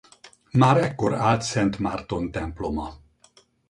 Már ekkor állt Szent Márton temploma.